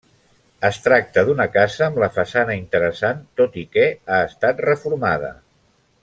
Es tracta d'una casa amb la façana interessant, tot i que ha estat reformada.